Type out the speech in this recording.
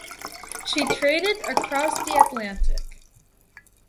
She traded across the Atlantic.